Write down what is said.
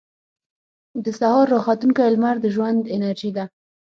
• د سهار راختونکې لمر د ژوند انرژي ده.